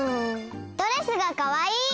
ドレスがかわいい！